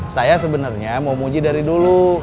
saya sebenarnya mau muji dari dulu